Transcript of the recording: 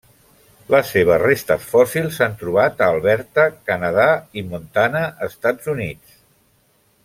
Les seves restes fòssils s'han trobat a Alberta, Canadà i Montana, Estats Units.